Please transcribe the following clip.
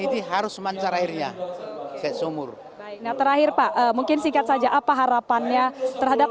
ini harus mancar airnya sesungguh terakhir pak mungkin singkat saja apa harapannya terhadap